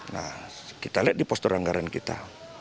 nah kita lihat di postur anggaran kita